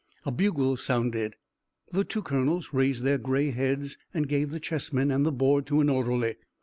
A bugle sounded. The two colonels raised their gray heads and gave the chess men and the board to an orderly.